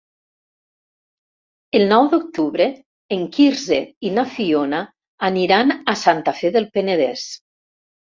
El nou d'octubre en Quirze i na Fiona aniran a Santa Fe del Penedès.